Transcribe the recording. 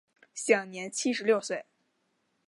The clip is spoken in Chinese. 享年七十六岁。